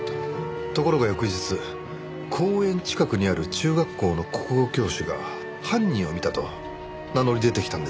ところが翌日公園近くにある中学校の国語教師が犯人を見たと名乗り出てきたんです。